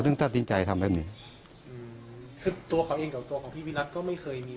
คือตัวเขาเองกับตัวของพี่วิรัติก็ไม่เคยมี